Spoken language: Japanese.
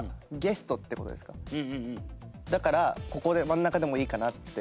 だからここで真ん中でもいいかなって思って。